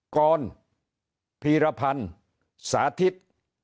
กรพีรพันธ์สาธิต